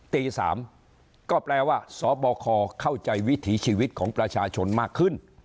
ตี๓ก็แปลว่าสบคเข้าใจวิถีชีวิตของประชาชนมากขึ้น